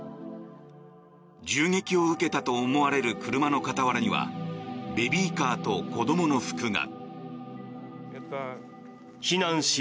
銃撃を受けたと思われる車の傍らにはベビーカーと子どもの服が。